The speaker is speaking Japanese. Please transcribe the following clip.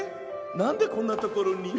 なんでこんなところに？